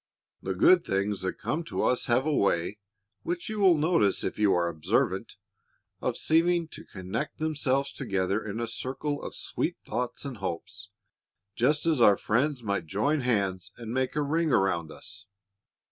The good things that come to us have a way which you will notice if you are observant of seeming to connect themselves together in a circle of sweet thoughts and hopes, just as our friends might join hands and make a ring around us.